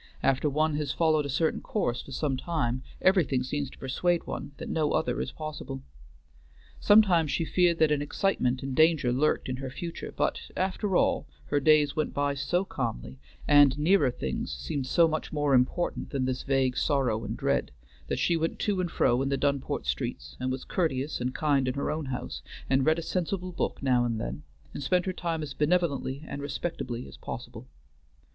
After one has followed a certain course for some time, everything seems to persuade one that no other is possible. Sometimes she feared that an excitement and danger lurked in her future, but, after all, her days went by so calmly, and nearer things seemed so much more important than this vague sorrow and dread, that she went to and fro in the Dunport streets, and was courteous and kind in her own house, and read a sensible book now and then, and spent her time as benevolently and respectably as possible.